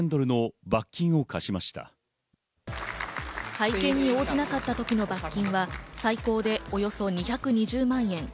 会見に応じなかった時の罰金は最高でおよそ２２０万円。